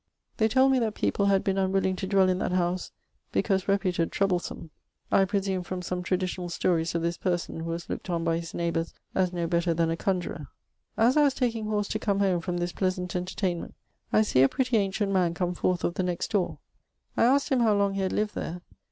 They told me that people had been unwilling to dwell in that house, because reputed troublesome, I presume from some traditionall storyes of this person, who was looked on by his neighbours as no better than a conjurer. As I was taking horse to come home from this pleasant entertainment, I see a pretty ancient man come forth of the next doore. I asked him how long he had lived there.